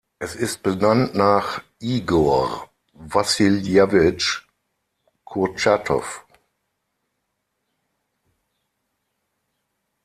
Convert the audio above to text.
Es ist benannt nach Igor Wassiljewitsch Kurtschatow.